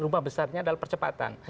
rumah besarnya adalah percepatan